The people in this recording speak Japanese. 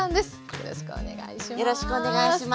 よろしくお願いします。